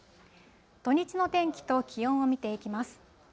土日の天気と気温を見ていきます。